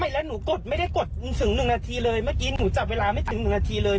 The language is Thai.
อุ้ยหนูไม่ได้ออกไปกดนานอะไรขนาดนั้นเลย